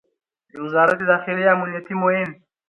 د وزارت داخلې امنیتي معین